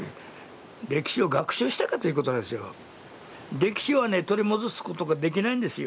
歴史は取り戻すことができないんですよ。